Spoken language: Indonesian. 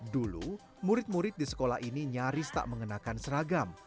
dulu murid murid di sekolah ini nyaris tak mengenakan seragam